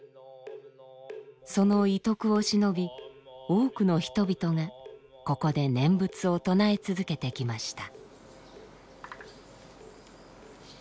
その遺徳をしのび多くの人々がここで念仏を唱え続けてきました。